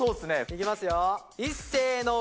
いきますよ。